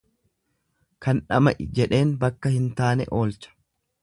Kan dhama'i jedheen bakka hin taane oolcha.